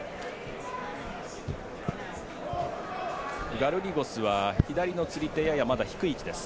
ガルリゴスは左の釣り手ややまだ低い位置です。